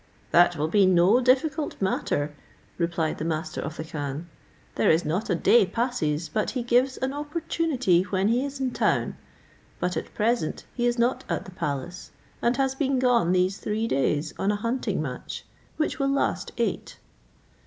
"That will be no difficult matter," replied the master of the khan, "there is not a day passes but he gives an opportunity when he is in town, but at present he is not at the palace, and has been gone these three days on a hunting match, which will last eight.